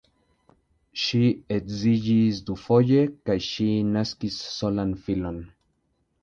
Ŝi edziĝis dufoje kaj ŝi naskis solan filon.